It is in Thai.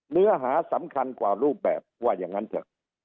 เนื้อหาสำคัญกว่ารูปแบบว่าอย่างนั้นเถอะ